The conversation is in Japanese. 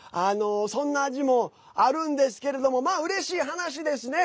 そんな話もあるんですけれどもうれしい話ですね。